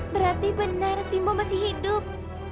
berarti benar simbo masih hidup